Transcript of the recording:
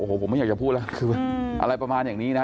โอ้โหผมไม่อยากจะพูดแล้วคืออะไรประมาณอย่างนี้นะ